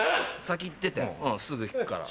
先行っててすぐ行くから。